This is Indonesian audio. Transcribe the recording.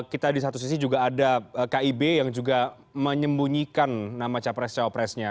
kita di satu sisi juga ada kib yang juga menyembunyikan nama capres capresnya